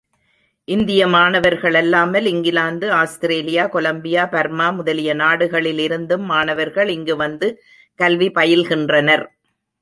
இந்திய மாணவர்களல்லாமல், England, Australia, Colombia, Burma முதலிய நாடுகளிலிருந்தும் மாணவர்கள் இங்கு வந்து கல்வி பயில்கின்றனர்.